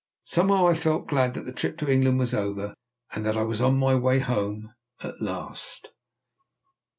Somehow I felt glad that the trip to England was over, and that I was on my way home at last.